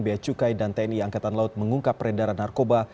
bacukai dan tni angkatan laut mengungkap peredaran narkoba